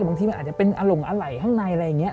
บางทีมันอาจจะเป็นอลงอะไหล่ข้างในอะไรอย่างนี้